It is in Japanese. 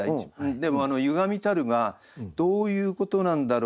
でも「歪みたる」がどういうことなんだろう。